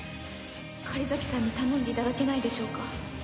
狩崎さんに頼んでいただけないでしょうか。